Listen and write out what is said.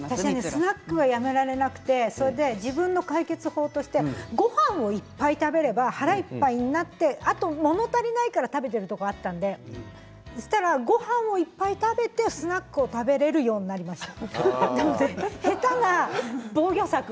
スナックがやめられなくて自分の解決法としてごはんをいっぱい食べておなかいっぱいになってもの足りないから食べているところがあったのでそうしたら、ごはんをいっぱい食べてスナックを食べられるようになりました。